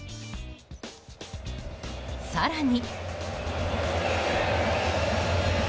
更に。